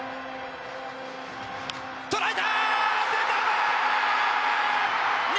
捉えた！